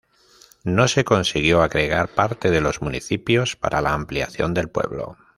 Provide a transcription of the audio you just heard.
No se consiguió agregar parte de los municipios para la ampliación del pueblo.